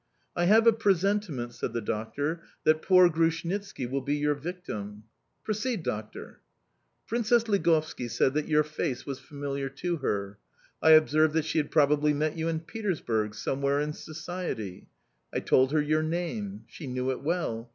"I have a presentiment," said the doctor, "that poor Grushnitski will be your victim." "Proceed, doctor." "Princess Ligovski said that your face was familiar to her. I observed that she had probably met you in Petersburg somewhere in society... I told her your name. She knew it well.